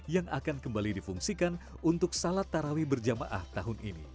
yang akan kembali difungsikan untuk salat tarawih berjamaah tahun ini